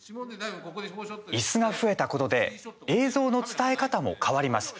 いすが増えたことで映像の伝え方も変わります。